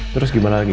terus gimana lagi